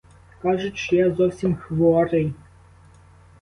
Кажуть, що я зовсім хворий.